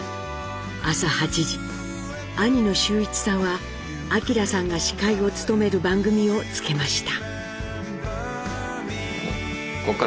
朝８時兄の修一さんは明さんが司会を務める番組をつけました。